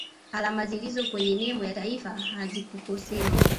alama zilizo kwenye nembo ya taifa hazikukosewa